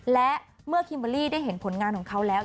และเมื่อคิมเบอร์รี่ได้เห็นผลงานของเขาแล้ว